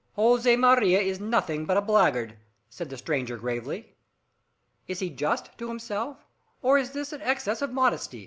"Jose Maria is nothing but a blackguard," said the stranger gravely. "Is he just to himself, or is this an excess of modesty?"